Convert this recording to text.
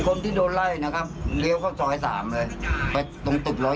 กของเจ้าหน้าแผลเวิกวะค่ะช่องบ้านต้องช่วยแจ้งเจ้าหน้าที่เพราะว่าโดนฟันแผลเวิกวะค่ะ